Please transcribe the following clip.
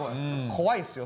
怖いっすよ。